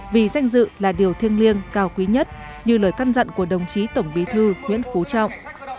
vì danh dự là điều thiêng liêng cao quý nhất như lời căn dặn của đồng chí tổng bí thư nguyễn phú trọng